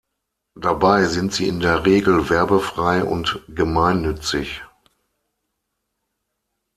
Dabei sind sie in der Regel werbefrei und gemeinnützig.